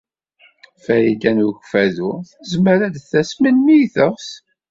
Farida n Ukeffadu tezmer ad d-tas melmi ay teɣs.